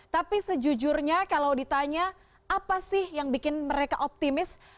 tapi sejujurnya kalau ditanya apa sih yang bikin mereka optimis